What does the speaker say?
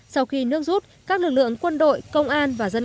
sau khi nước rút các lực lượng quân đội công an và dân